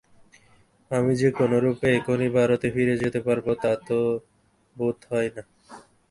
আমি যে কোনরূপে এখনি ভারতে ফিরে যেতে পারব, তা তো বোধ হয় না।